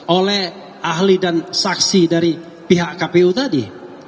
oleh ahli dan saksi dari pihak kpu tadi